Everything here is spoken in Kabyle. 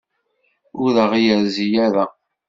Ur d aɣ-yerzi ara.